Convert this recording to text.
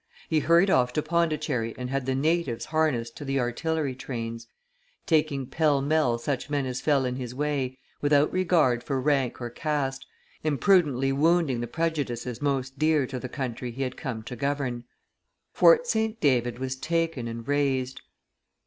He hurried off to Pondicherry and had the natives harnessed to the artillery trains, taking pellmell such men as fell in his way, without regard for rank or caste, imprudently wounding the prejudices most dear to the country he had come to govern. Fort St. David was taken and razed.